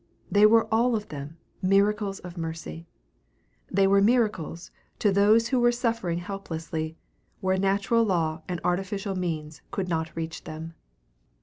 They were all of them miracles of mercy. They were miracles to those who were suffering helplessly where natural law and artificial means could not reach them.